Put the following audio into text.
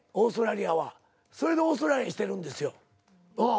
それでオーストラリアにしてるんですよ。